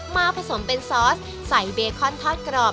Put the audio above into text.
ผสมเป็นซอสใส่เบคอนทอดกรอบ